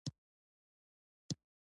اوښ د افغانستان د اقلیم یوه مهمه ځانګړتیا ده.